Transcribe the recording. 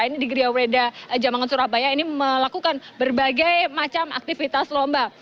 ini di tugria wereda jambangan surabaya ini melakukan berbagai macam aktivitas lomba